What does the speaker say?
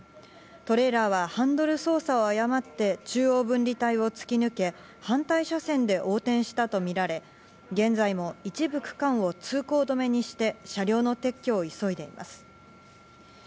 トレーラーはハンドル操作を誤って中央分離帯を突き抜け、反対車線で横転したとみられ、現在も一部区間を通行止めにして車両の撤去を急いでいます。